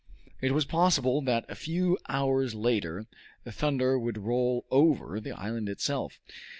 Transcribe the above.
It was possible that a few hours later the thunder would roll over the island itself.